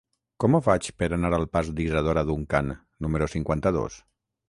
Com ho faig per anar al pas d'Isadora Duncan número cinquanta-dos?